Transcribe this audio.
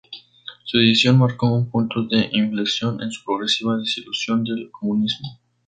Su decisión marcó un punto de inflexión en su progresiva desilusión del comunismo.